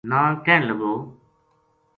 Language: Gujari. نا کہن لگو